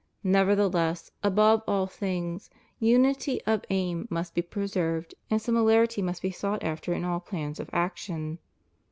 Nevertheless, above all things, unity of aim must be preserved, and similarity must be sought after in all plans of action.